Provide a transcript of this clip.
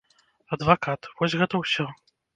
Адвакат, вось гэта ўсё.